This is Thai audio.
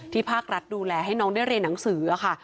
ภาครัฐดูแลให้น้องได้เรียนหนังสือค่ะ